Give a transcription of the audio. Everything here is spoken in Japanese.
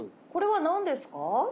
これは何ですか？